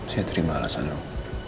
saya terima alasanmu